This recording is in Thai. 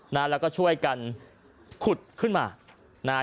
แล้วก็ช่วยกันขุดขึ้นมา